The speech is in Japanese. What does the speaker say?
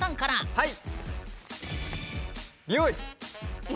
はい！